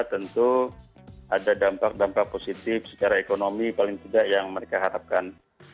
tentu ada dampak dampak positif secara ekonomi paling tidak yang mereka harapkan